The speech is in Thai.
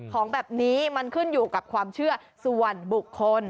ของแบบนี้มันขึ้นอยู่กับความเชื่อส่วนบุคคล